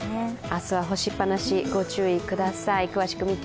明日は干しっぱなし御注意ください。